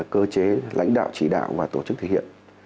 cơ chế lãnh đạo chỉ đạo và tổ chức thực hiện